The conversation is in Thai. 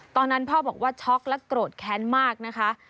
ตอนนั้นพ่อบอกว่าช็อกและโกรธแค้นมากนะคะ